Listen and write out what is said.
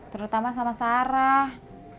terutama sama sarah